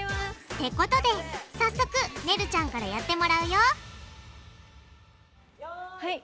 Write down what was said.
ってことで早速ねるちゃんからやってもらうよよい！